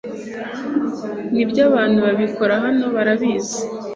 ynibyo, abantu babikora hano barabizi